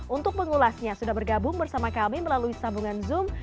untuk mengulasnya sudah bergabung bersama kami melalui sambungan zoom